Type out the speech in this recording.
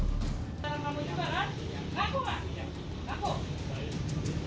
kamu juga kan